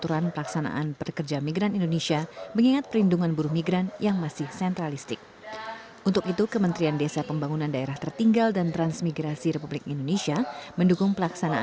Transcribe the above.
langkah ini berupa skema dan mendirikan badan usaha desa